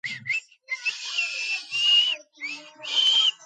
მათ მიერ შესრულებული მუსიკის ძირითადი ჟანრია მძიმე მეტალი და მძიმე როკი.